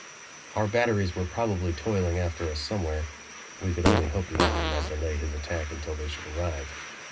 Our batteries were probably toiling after us somewhere; we could only hope the enemy might delay his attack until they should arrive.